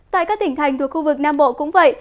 tại các tỉnh thành thuộc khu vực nam bộ cũng vậy